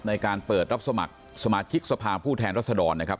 ในการเปิดรับสมัครสมาชิกสภาผู้แทนรัศดรนะครับ